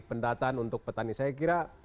pendataan untuk petani saya kira